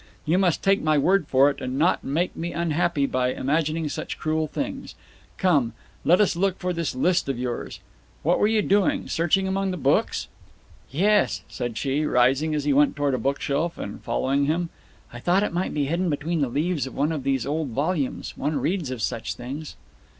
You must take my word for it, and not made me unhappy by imagining such cruel things. Come, let us look for this list of yours. What were you doing searching among the books?" "Yes," said she, rising, as he went towards a bookshelf, and following him. "I thought it might be hidden between the leaves of one of these old volumes. One reads of such things."